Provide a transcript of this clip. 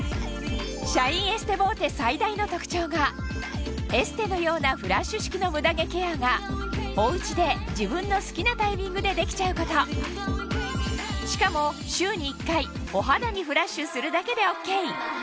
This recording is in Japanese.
シャインエステボーテ最大の特徴がエステのようなフラッシュ式のムダ毛ケアがおうちで自分の好きなタイミングでできちゃうことしかもまず。